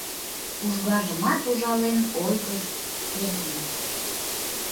Ужгажымат ужален Ойгыш пернен!